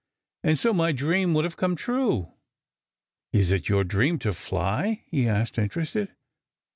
And so my dream would have come true." " Is it your dream to fly ?" he asked, interested.